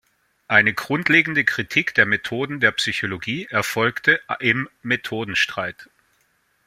Eine grundlegende Kritik der Methoden der Psychologie erfolgte im Methodenstreit.